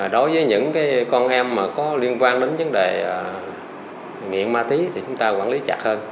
đối với những con em có liên quan đến vấn đề nghiện ma túy thì chúng ta quản lý chặt hơn